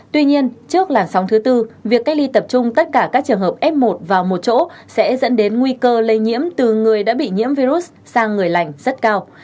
tuy nhiên trước làn sóng thứ tư việc cách ly tập trung tất cả các trường hợp f một vào một chỗ sẽ dẫn đến nguy cơ lây nhiễm từ người đã bị nhiễm virus sang người lành rất cao